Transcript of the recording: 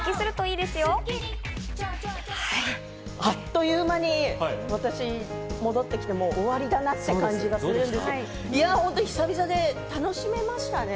あっという間に、私が戻ってきて終わりだなって感じがするんですけど、久々で楽しめましたね。